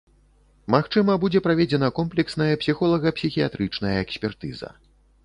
Магчыма, будзе праведзена комплексная псіхолага-псіхіятрычная экспертыза.